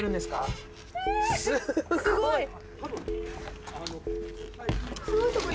すごい！